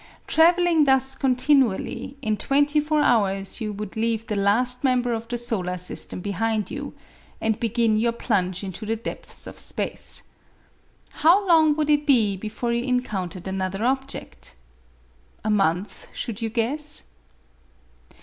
Travelling thus continually, in twenty four hours you would leave the last member of the solar system behind you, and begin your plunge into the depths of space. How long would it be before you encountered another object? A month, should you guess?